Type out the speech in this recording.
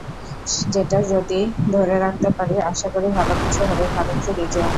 যেটা যদি ধরে রাখতে পারি, আশা করি ভালো কিছু হবে ভারত সিরিজেও।